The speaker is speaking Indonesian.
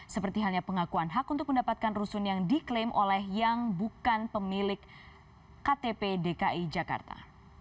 seperti halnya pengakuan hak untuk mendapatkan rusun yang diklaim oleh yang bukan pemilik ktp dki jakarta